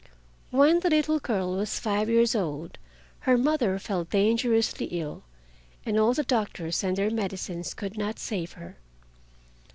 When the little girl was five years old her mother fell dangerously ill and all the doctors and their medicines could not save her.